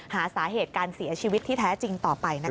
หาสาเหตุการเสียชีวิตที่แท้จริงต่อไปนะคะ